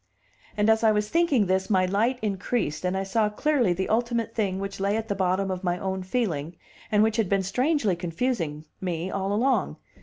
And as I was thinking this my light increased, and I saw clearly the ultimate thing which lay at the bottom of my own feeling, and which had been strangely confusing me all along.